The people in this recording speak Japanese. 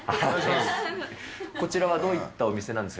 こちらはどういったお店なんですか？